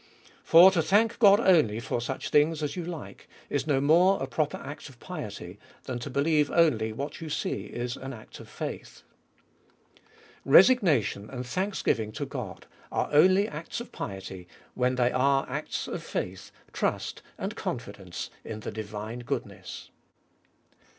For to thank God only for such things as you like, is no more a proper act of piety, than to believe only what you see, is an act of faith Resignation and thanksgiving to God are only acts of piety, when they are acts of faith, trust, and confi dence in the divine goodness.